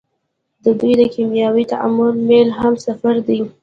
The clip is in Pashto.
د دوی د کیمیاوي تعامل میل هم صفر دی.